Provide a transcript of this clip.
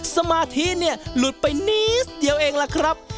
สมาธิเนี่ยหลุดไปนิดเดียวเองล่ะครับ